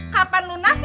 kapan lu nasi